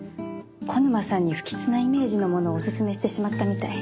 小沼さんに不吉なイメージのものをおすすめしてしまったみたい。